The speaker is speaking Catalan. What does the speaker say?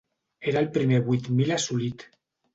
Era el primer vuit mil assolit.